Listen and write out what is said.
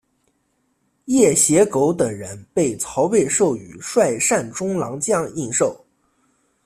掖邪狗等人被曹魏授予率善中郎将印绶。